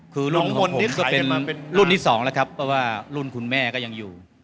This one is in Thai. คือน้องมนนิดก็เป็นรุ่นที่สองแล้วครับเพราะว่ารุ่นคุณแม่ก็ยังอยู่